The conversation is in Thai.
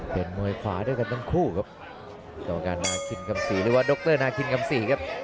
เป็นมวยขวาด้วยกันทั้งคู่ครับต่อการนาคินคำศรีหรือว่าดรนาคินคำศรีครับ